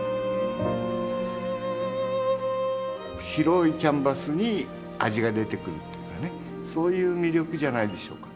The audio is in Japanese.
白いキャンバスに味が出てくるというかねそういう魅力じゃないでしょうか。